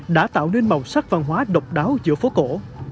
đã tạo nên màu sắc văn hóa độc đáo giữa phố cổ